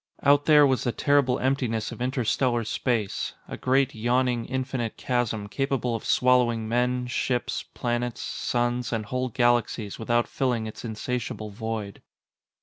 Out there was the terrible emptiness of interstellar space a great, yawning, infinite chasm capable of swallowing men, ships, planets, suns, and whole galaxies without filling its insatiable void.